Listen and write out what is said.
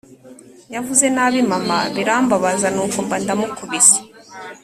Yavuze nabi Mama birambabaza nuko mba ndamukubise